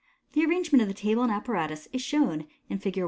The arrangement of the table and apparatus is shown in Fig.